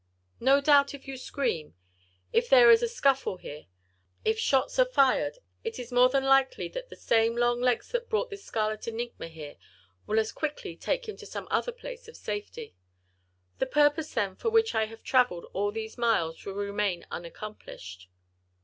No doubt if you scream, if there is a scuffle here, if shots are fired, it is more than likely that the same long legs that brought this scarlet enigma here, will as quickly take him to some place of safety. The purpose then, for which I have travelled all these miles, will remain unaccomplished.